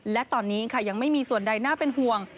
และตอนนี้ค่ะยังไม่มีส่วนใดน่าเป็นห่วง